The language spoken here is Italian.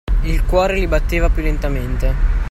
Il cuore gli batteva più lentamente.